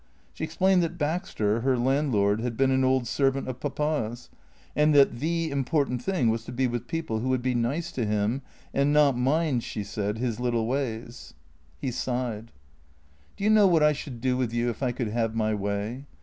She explained that Baxter, her landlord, had been an old servant of Papa's, and that the important thing was to be with people who would be nice to him and not mind, she said, his little ways. He sighed. THE CEEA TOES 227 " Do you know what I should do with you if I could have my way